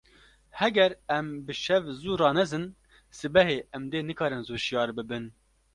Heger em bi şev zû ranezin, sibehê em dê nikarin zû şiyar bibin.